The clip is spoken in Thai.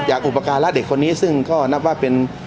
อุปการณ์เด็กคนนี้ซึ่งก็นับว่าเป็น